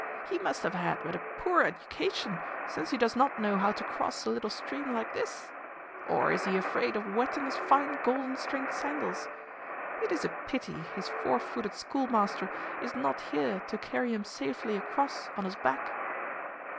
"He must have had but a poor education, since he does not know how to cross a little stream like this. Or is he afraid of wetting his fine golden stringed sandals? It is a pity his four footed schoolmaster is not here to carry him safely across on his back!"